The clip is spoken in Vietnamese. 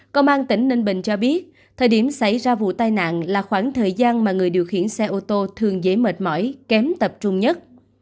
công an tỉnh ninh bình cho biết thời điểm xảy ra vụ tai nạn là khoảng thời gian mà người điều khiển xe ô tô thường dễ mệt mỏi kém tập trung nhất